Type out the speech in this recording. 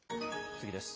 次です。